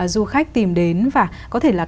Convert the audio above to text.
du khách tìm đến và có thể là